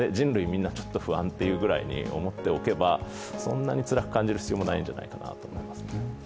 みんなちょっと不安というくらいに思っておけば、そんなにつらく感じる必要もないんじゃないかなと。